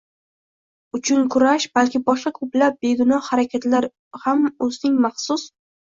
uchun kurash, balki boshqa ko‘plab “begunoh” harakatlar ham o‘zining maxsus